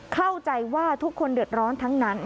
เข้าใจว่าทุกคนเดือดร้อนทั้งนั้น